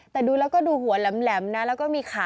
แต่ดูแล้วก็ดูหัวแหลมนะแล้วก็มีขา